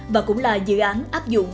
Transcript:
và cũng là dự án áp dụng